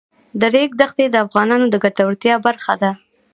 د ریګ دښتې د افغانانو د ګټورتیا برخه ده.